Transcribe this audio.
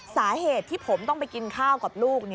สาเหตุที่ผมต้องไปกินข้าวกับลูก